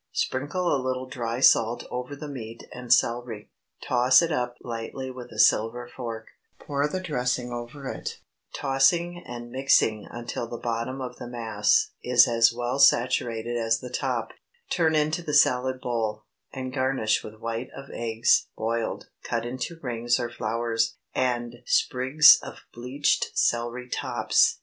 Sprinkle a little dry salt over the meat and celery; toss it up lightly with a silver fork; pour the dressing over it, tossing and mixing until the bottom of the mass is as well saturated as the top; turn into the salad bowl, and garnish with white of eggs (boiled) cut into rings or flowers, and sprigs of bleached celery tops.